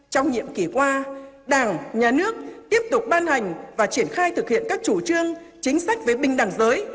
trong nhiệm kỳ qua đảng nhà nước tiếp tục ban hành và triển khai thực hiện các chủ trương chính sách về bình đẳng giới